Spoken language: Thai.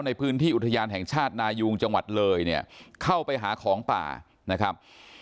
ในพื้นที่อุทยานแห่งชาตินายุงจังหวัดเลยเนี่ยเข้าไปหาของป่านะครับ